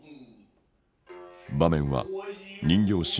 場面は人形師